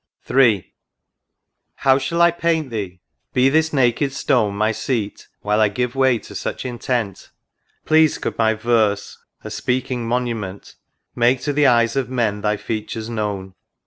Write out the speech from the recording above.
THE RIVER DUDDON. III. How shall I paint thee ?— Be this naked stone My seat while I give way to such intent ; Pleased could my verse, a speaking monument, Make to the eyes of men thy features known.